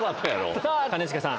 さぁ兼近さん。